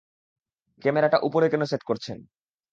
ক্যামেরাটা উপরে কেন সেট করছেন?